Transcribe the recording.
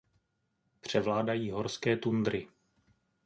Převládají horské tundry.